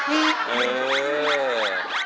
เออ